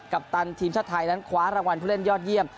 ปตันทีมชาติไทยนั้นคว้ารางวัลผู้เล่นยอดเยี่ยม